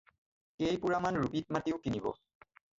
কেই পুৰামান ৰুপিত মাটিও কিনিব।